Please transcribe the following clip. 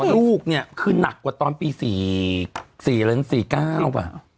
๑๐ลูกเนี่ยคือนักกว่าปี๙๙ป่ะ